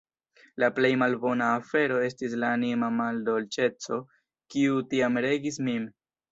La plej malbona afero estis la anima maldolĉeco, kiu tiam regis min.